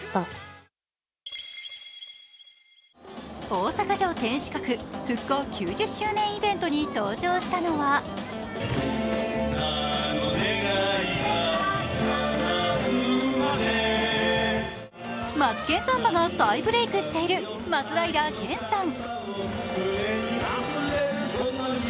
大阪城天守閣復興９０周年イベントに登場したのは「マツケンサンバ」が再ブレイクしている松平健さん。